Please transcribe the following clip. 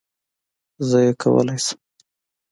زه یې کولای شم